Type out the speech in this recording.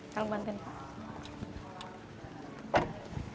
kalau bantuin pak